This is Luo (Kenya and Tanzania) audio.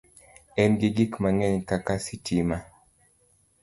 En gi gik mang'eny kaka sitima